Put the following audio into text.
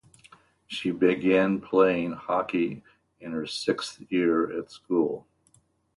She began playing hockey in her sixth year at school.